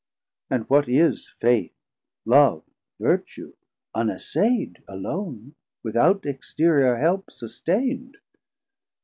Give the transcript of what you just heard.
And what is Faith, Love, Vertue unassaid Alone, without exterior help sustaind?